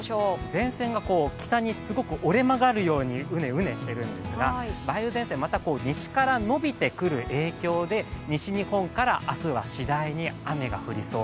前線が北にすごく折れ曲がるようにうねうねしているんですが、梅雨前線、西から伸びてくる影響で西日本から明日は次第に雨が降りそう。